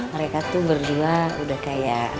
mereka tuh berdua udah kayak